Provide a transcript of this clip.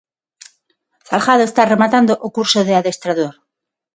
Salgado está rematando o curso de adestrador.